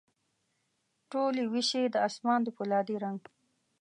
ټولي ویشي د اسمان د پولا دي رنګ،